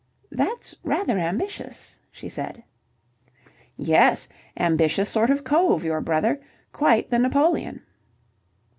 "That's rather ambitious," she said. "Yes. Ambitious sort of cove, your brother. Quite the Napoleon."